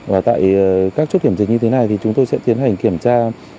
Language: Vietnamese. và tại các chốt kiểm dịch như thế này thì chúng tôi sẽ tiến hành kiểm tra